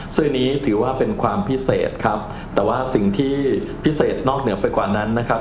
ซึ่งอันนี้ถือว่าเป็นความพิเศษครับแต่ว่าสิ่งที่พิเศษนอกเหนือไปกว่านั้นนะครับ